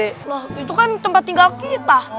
itu kan tempat tinggal kita